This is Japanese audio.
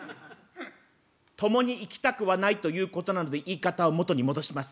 共に生きたくはないということなので言い方を元に戻します。